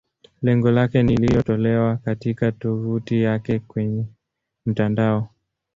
Lengo lake ni iliyotolewa katika tovuti yake kwenye mtandao.